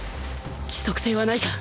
規則性はないか？